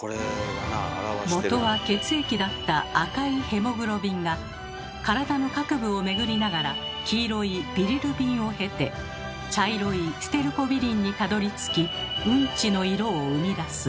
元は血液だった赤いヘモグロビンが体の各部を巡りながら黄色いビリルビンを経て茶色いステルコビリンにたどりつきうんちの色を生み出す。